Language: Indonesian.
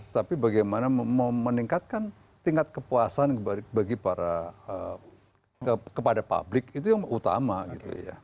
tapi bagaimana meningkatkan tingkat kepuasan kepada publik itu yang utama gitu ya